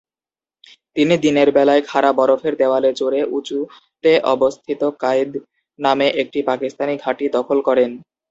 তিনি দিনের বেলায় খাড়া বরফের দেওয়ালে চড়ে উঁচুতে অবস্থিত কায়েদ নামে একটি পাকিস্তানি ঘাঁটি দখল করেন।